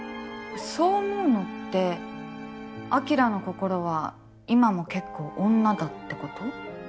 そう思うのって晶の心は今も結構女だってこと？